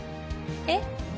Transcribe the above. えっ？